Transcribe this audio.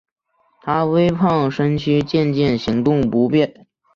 她微胖身躯渐渐行动不便